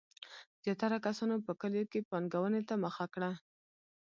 زیاتره کسانو په کلیو کې پانګونې ته مخه کړه.